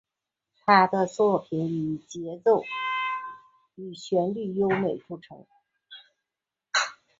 他的作品以旋律优美着称。